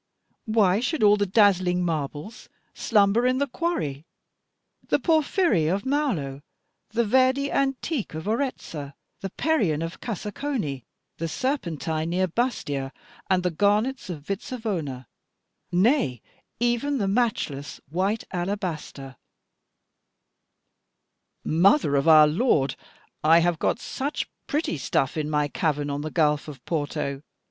Why should all the dazzling marbles slumber in the quarry, the porphyry of Molo, the verde antique of Orezza, the Parian of Cassaconi, the serpentine near Bastia, and the garnets of Vizzavona nay even the matchless white alabaster "Mother of our Lord, I have got such pretty stuff in my cavern on the gulf of Porto.